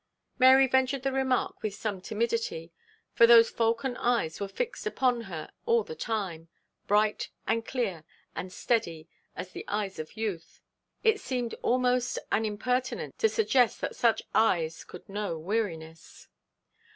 Mary ventured the remark with some timidity, for those falcon eyes were fixed upon her all the time, bright and clear and steady as the eyes of youth. It seemed almost an impertinence to suggest that such eyes could know weariness.